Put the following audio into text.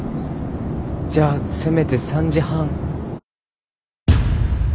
じゃあせめて３時半。